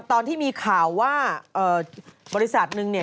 ตอนที่มีข่าวว่าบริษัทหนึ่งเนี่ย